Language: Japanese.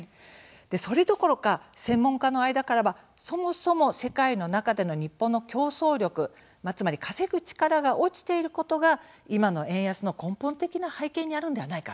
それどころか、専門家の間からはそもそも、世界の中での日本の競争力、つまり稼ぐ力が落ちていることが今の円安の根本的な背景にあるんではないか。